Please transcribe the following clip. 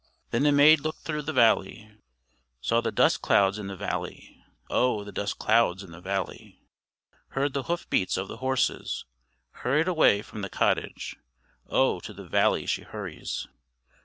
Then the maid looked through the window. Saw the dust clouds in the valley; Oh! the dust clouds in the valley. Heard the hoof beat of the horses, Hurried away from the cottage; Oh! to the valley she hurries.